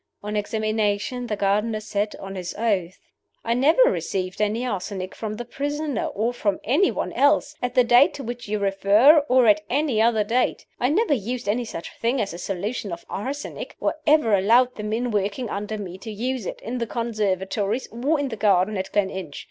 On examination the gardener said, on his oath: "I never received any arsenic from the prisoner, or from any one else, at the date to which you refer, of at any other date. I never used any such thing as a solution of arsenic, or ever allowed the men working under me to use it, in the conservatories or in the garden at Gleninch.